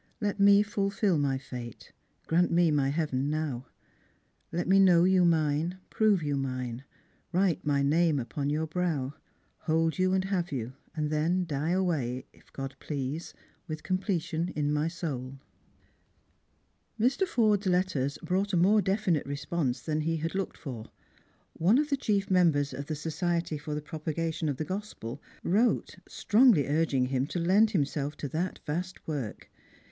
Let me fulfil my fate. Grant me my heaven now ! Let me know you mine, Prove you mine, write my name upon your brow, Hold you and have you, and then die away, If God please, with completion in my soul I " Mr. Forde's letters brought a more definite response than he had looked for. One of the chief members of the Society for the Propagation of the Gospel wrote, strongly urging him to lend himself to that vast work.